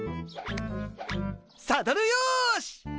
サドルよし。